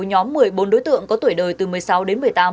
nhóm một mươi bốn đối tượng có tuổi đời từ một mươi sáu đến một mươi tám